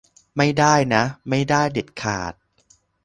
ไม่ได้นะ ไม่ได้เด็ดขาด